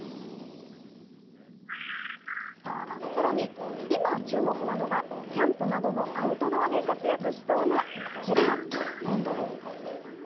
さらに今、注目なのがキャンプなどのアウトドアで活躍しそうな、こちら。